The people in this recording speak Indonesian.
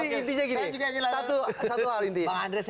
jadi intinya gini satu hal intinya